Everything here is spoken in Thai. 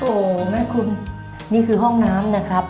โอ้โหแม่คุณนี่คือห้องน้ำนะครับ